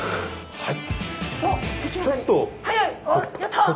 はい。